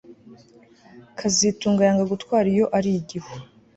kazitunga yanga gutwara iyo ari igihu